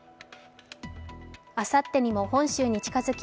あさってにも本州に近づき